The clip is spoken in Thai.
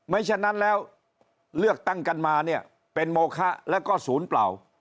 ฉะนั้นแล้วเลือกตั้งกันมาเนี่ยเป็นโมคะแล้วก็ศูนย์เปล่า